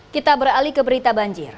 kita beralih ke berita banjir